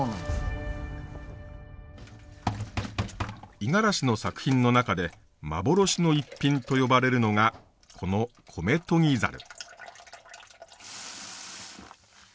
五十嵐の作品の中で幻の逸品と呼ばれるのがこの米とぎザル。